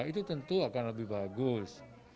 itu tentu akan lebih bagus